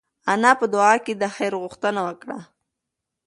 انا په دعا کې د خیر غوښتنه وکړه.